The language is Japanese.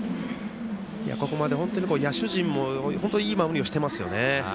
ここまで本当に野手陣も本当にいい守りをしていますよね。